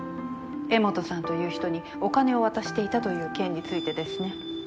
江本さんという人にお金を渡していたという件についてですね。